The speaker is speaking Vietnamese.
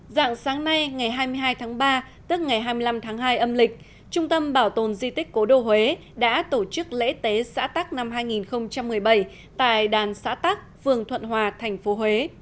dạng sáng nay ngày hai mươi hai tháng ba tức ngày hai mươi năm tháng hai âm lịch trung tâm bảo tồn di tích cố đô huế đã tổ chức lễ tế xã tắc năm hai nghìn một mươi bảy tại đàn xã tắc phường thuận hòa thành phố huế